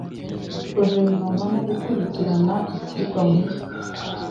Guverinoma no gukurikirana ishyirwa mu